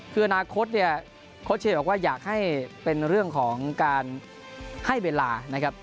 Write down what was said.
คืออนาคตเนี่ยโค้ชเชย์บอกว่าอยากให้เป็นเรื่องของการให้เวลานะครับ